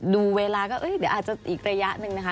ดูเวลาก็อาจจะอีกระยะนึงนะคะ